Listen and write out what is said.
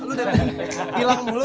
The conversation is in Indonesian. ilang dulu lu